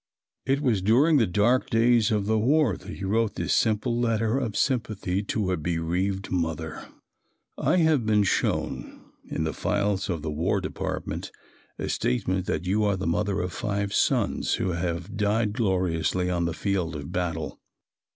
It was during the dark days of the war that he wrote this simple letter of sympathy to a bereaved mother: "I have been shown, in the files of the War Department, a statement that you are the mother of five sons who have died gloriously on the field of battle.